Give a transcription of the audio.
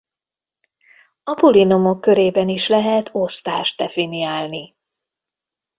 A polinomok körében is lehet osztást definiálni.